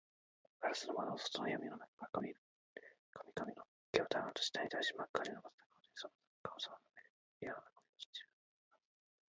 ガラス窓の外のやみの中から、髪かみの毛をダランと下にたらし、まっかにのぼせた顔で、さかさまの目で、部屋の中のようすをジロジロとながめています。